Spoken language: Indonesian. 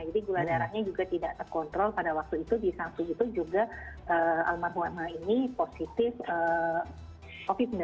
jadi gula darahnya juga tidak terkontrol pada waktu itu di saat itu juga almarhumah ini positif covid sembilan belas